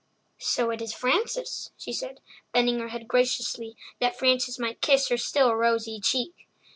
"So it is Frances," she said, bending her head graciously that Frances might kiss her still rosy cheek.